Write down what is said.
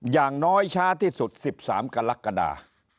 อย่างน้อยช้าที่สุด๑๓กรกฎา